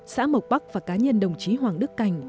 xã mộc bắc và cá nhân đồng chí hoàng đức cảnh